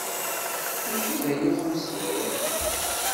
Maci d aya umi sliɣ.